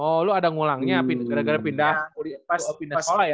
oh lu ada ngulangnya gara gara pindah sekolah ya